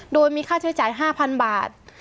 โดยมีค่าใช้จ่าย๕๐๐๐บาท